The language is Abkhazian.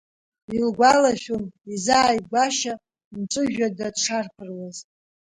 Илгәалашәон изааигәашьа мҵәыжәҩада дшарԥыруаз.